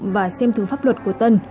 và xem thử pháp luật của tân